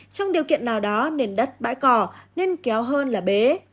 trong điều kiện nào đó nền đất bãi cỏ nên kéo hơn là bế